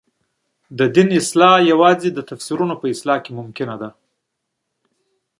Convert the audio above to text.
د دین اصلاح یوازې د تفسیرونو په اصلاح کې ممکنه ده.